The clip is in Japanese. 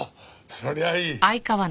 そりゃいい。